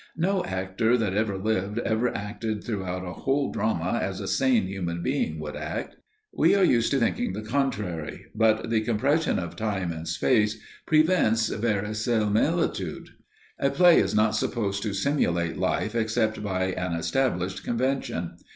No actor that ever lived ever acted throughout a whole drama as a sane human being would act. We are used to thinking the contrary, but the compression of time and space prevents verisimilitude. A play is not supposed to simulate life except by an established convention.